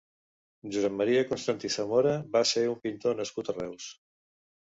Josep Maria Constantí Zamora va ser un pintor nascut a Reus.